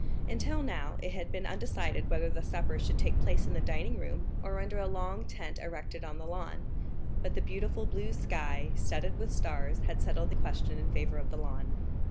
Until now, it had been undecided whether the supper should take place in the dining room, or under a long tent erected on the lawn, but the beautiful blue sky, studded with stars, had settled the question in favor of the lawn.